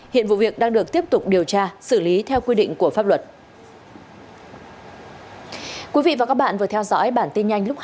hiện vụ việc đang được tiếp tục điều tra xử lý theo quy định của pháp luật